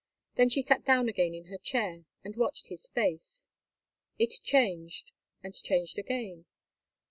Then she sat down again in her chair and watched his face. It changed, and changed again.